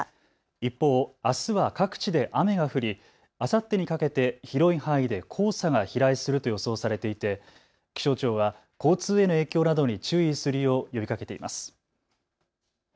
一方、あすは各地で雨が降りあさってにかけて広い範囲で黄砂が飛来すると予想されていて気象庁は交通への影響などに注意するよう呼びかけています。